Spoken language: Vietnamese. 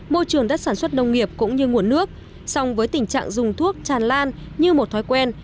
môi trường đất sản xuất nông nghiệp cũng như nguồn nước song với tình trạng dùng thuốc tràn lan như một thói quen